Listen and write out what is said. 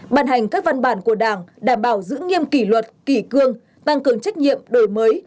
bàn hành các văn bản của đảng đảm bảo giữ nghiêm kỷ luật kỷ cương tăng cường trách nhiệm đổi mới